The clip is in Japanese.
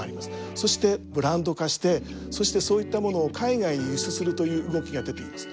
そしてブランド化してそしてそういったものを海外に輸出するという動きが出ています。